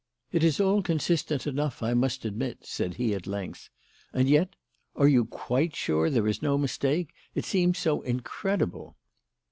"It is all consistent enough, I must admit," said he, at length, "and yet are you quite sure there is no mistake? It seems so incredible."